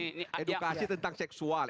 edukasi tentang seksual